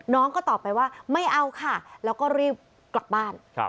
น้องก็ตอบไปว่าไม่เอาค่ะแล้วก็รีบกลับบ้าน